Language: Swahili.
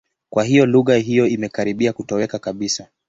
Kwa hiyo lugha hiyo imekaribia kutoweka kabisa.